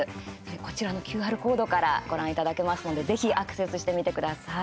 こちらのＱＲコードからご覧いただけますのでぜひアクセスしてみてください。